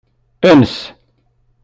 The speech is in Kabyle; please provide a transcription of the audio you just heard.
Ens.